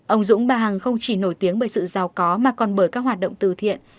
ông dũng bà hằng không chỉ nổi tiếng bởi sự giàu có mà còn bởi các hoạt động từ thiện